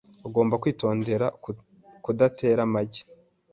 Ugomba kwitondera kudatera amagi .